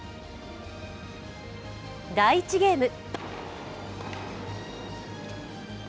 第１ゲーム。